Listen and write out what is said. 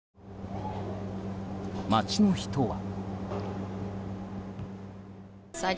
街の人は。